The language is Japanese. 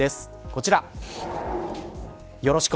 こちら。